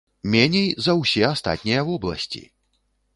Меней, за ўсе астатнія вобласці!